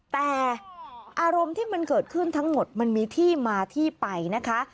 แต่อารมณ์ที่มันเกิดขึ้นทั้งหมดมันมีที่มาที่ไปนะคะ